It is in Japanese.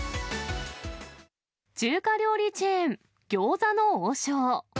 中華料理チェーン、餃子の王将。